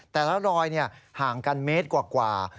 แต่ละรอยห่างกันเมตรกว่า